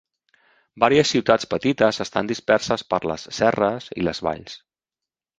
Varies ciutats petites estan disperses per les serres i les valls.